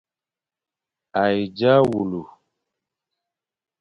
A he dia wule.